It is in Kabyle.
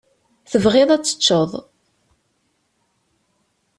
Tebɣiḍ ad teččeḍ.